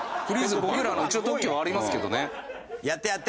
僕らの一応特許はありますけどね。